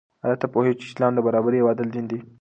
آیا ته پوهېږې چې اسلام د برابرۍ او عدل دین دی؟